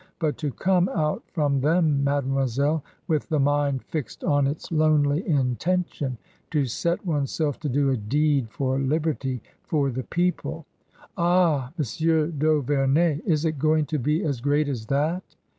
But to come out from them, mademoiselle, with the mind fixed on its lonely intention. To set oneself to do a deed for liberty — for the people !" "Ah, Monsieur d'Auverney! Is it going to be as great as that?"